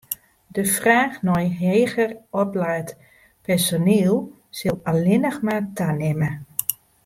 De fraach nei heger oplaat personiel sil allinnich mar tanimme.